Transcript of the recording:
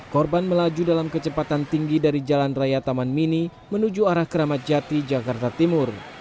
korban melaju dalam kecepatan tinggi dari jalan raya taman mini menuju arah keramat jati jakarta timur